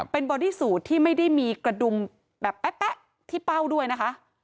เป็นบอดี้สูตรที่ไม่ได้มีกระดุมแบบแป๊ะที่เป้าด้วยนะคะ